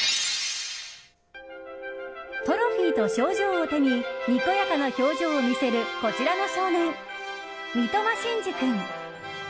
トロフィーと賞状を手ににこやかな表情を見せるこちらの少年、三苫心嗣君。